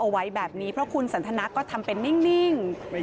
เอาไว้แบบนี้เพราะคุณสันทนาก็ทำเป็นนิ่ง